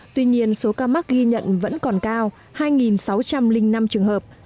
tuy nhiên số ca mắc ghi nhận vẫn còn cao hai sáu trăm linh năm trường hợp